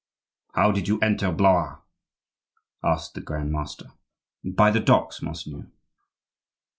"How did you enter Blois?" asked the grand master. "By the docks, monseigneur."